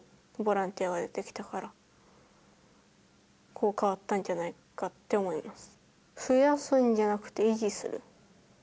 こう変わったんじゃないかって思います。